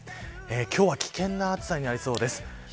今日は危険な暑さになりそうです。